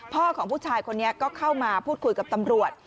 ของผู้ชายคนนี้ก็เข้ามาพูดคุยกับตำรวจ